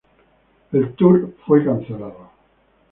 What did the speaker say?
El tour fue cancelado.